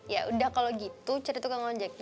ya udah kalau gitu cari tukang ojeknya yang jelek aja